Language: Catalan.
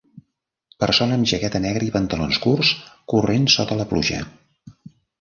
Persona amb jaqueta negra i pantalons curts corrent sota la pluja.